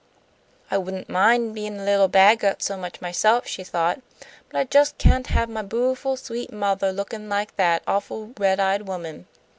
"I wouldn't mind bein' a little beggah so much myself," she thought, "but I jus' can't have my bu'ful sweet mothah lookin' like that awful red eyed woman."